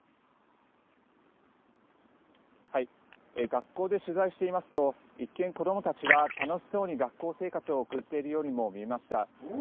学校で取材していますと一見、子どもたちは楽しそうに学校生活を送っているようにも見えました。